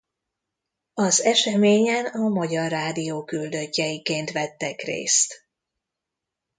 Az eseményen a Magyar Rádió küldöttjeiként vettek részt.